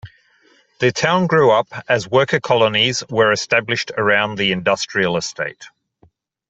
The town grew up as worker colonies were established around the industrial estate.